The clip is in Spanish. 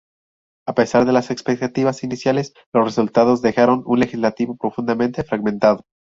A pesar de las expectativas iniciales, los resultados dejaron un legislativo profundamente fragmentado.